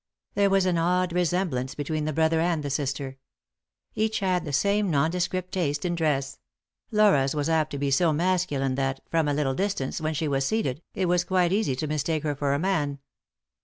There was an odd resemblance between the brother and the sister. Each had the same nondescript taste in dress — Laura's was apt to be so masculine that, from a little distance, when she was seated, it was quite easy to mistake her for a man.